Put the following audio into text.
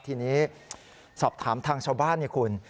ทีนี้สอบถามทางชาวบ้านนี่คุณ